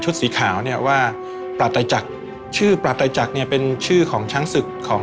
ชุดย่าวที่เราตั้งชื่อให้เนี่ยก็คือชัยานุภาพก็เป็นชื่อของเรานะครับ